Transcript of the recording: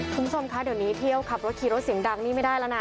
คุณผู้ชมคะเดี๋ยวนี้เที่ยวขับรถขี่รถเสียงดังนี่ไม่ได้แล้วนะ